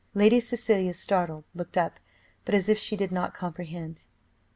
Lady Cecilia startled, looked up, but as if she did not comprehend.